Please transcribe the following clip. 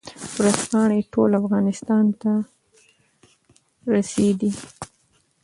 ورځپاڼې ټول افغانستان ته رسېدې.